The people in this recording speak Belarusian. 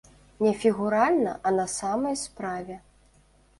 Не фігуральна, а на самай справе.